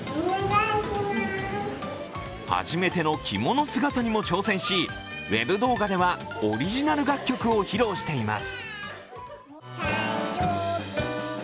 初めての着物姿にも挑戦しウェブ動画ではオリジナル楽曲も披露しています。